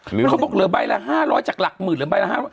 เขาบอกเหลือใบละ๕๐๐จากหลักหมื่นเหลือใบละ๕๐๐